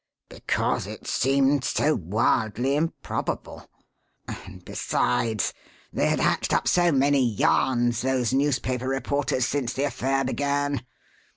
"Because it seemed so wildly improbable. And, besides, they had hatched up so many yarns, those newspaper reporters, since the affair began.